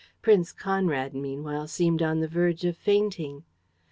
Prince Conrad, meanwhile, seemed on the verge of fainting.